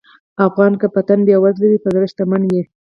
افغان که په تن بېوزله وي، په زړه شتمن وي.